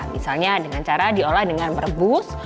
misalnya dengan cara diolah dengan merebus